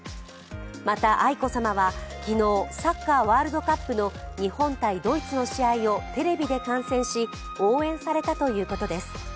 また、愛子さまは、昨日、サッカーワールドカップの日本×ドイツの試合をテレビで観戦し、応援されたということです。